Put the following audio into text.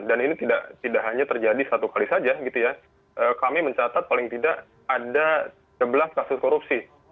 dan ini tidak hanya terjadi satu kali saja gitu ya kami mencatat paling tidak ada sebelas kasus korupsi